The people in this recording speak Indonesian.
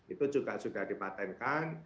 itu juga sudah dipatenkan